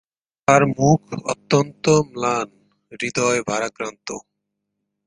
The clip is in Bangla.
তাহার মুখ অত্যন্ত ম্লান, হৃদয় ভারাক্রান্ত।